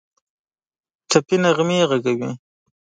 ټپي نغمې ږغوي